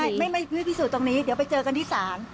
ไม่ไม่พิสูจน์ตรงนี้เดี๋ยวไปเจอกันที่ศาล